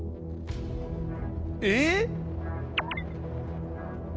えっ！？